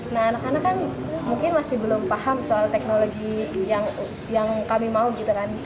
nah anak anak kan mungkin masih belum paham soal teknologi yang kami mau gitu kan